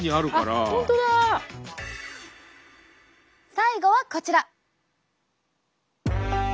最後はこちら。